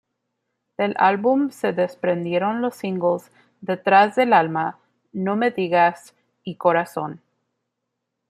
Del álbum se desprendieron los singles "Detrás del alma", "No me digas" y "Corazón".